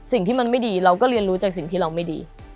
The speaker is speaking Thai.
สิ่งที่มันไม่ดีเราก็เรียนรู้จากสิ่งที่เราไม่ดี